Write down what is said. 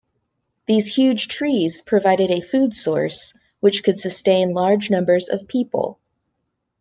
These huge trees provided a food source which could sustain large numbers of people.